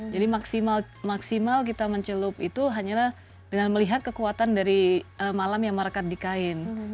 jadi maksimal kita mencelup itu hanyalah dengan melihat kekuatan dari malam yang merekat di kain